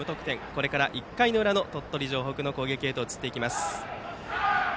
これから１回の裏の鳥取城北の攻撃へと移ります。